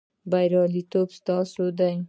بریالیتوب ستاسو دی